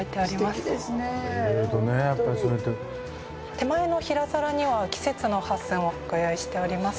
手前の平皿には季節の八寸をご用意しております。